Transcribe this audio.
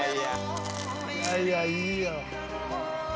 いやいやいいよ。